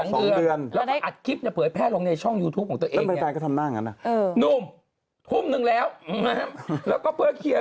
คุณบ้านเดี๋ยวนี้มาขายส้มดำอยู่หลังพาราได้ครับ